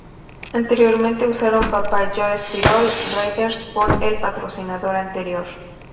Anteriormente usaron Papa Joe's Tirol Raiders por el patrocinador anterior.